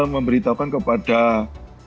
memberitahukan kepada pemerintah